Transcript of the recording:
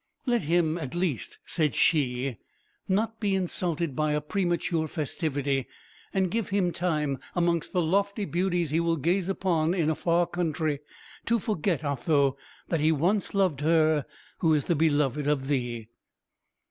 "Let him, at least," said she, "not be insulted by a premature festivity; and give him time, amongst the lofty beauties he will gaze upon in a far country, to forget, Otho, that he once loved her who is the beloved of thee."